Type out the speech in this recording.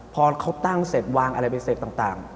พอเขาตั้งเสร็จวางอะไรไปเสร็จต่าง